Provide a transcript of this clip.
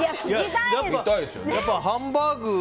やっぱりハンバーグ。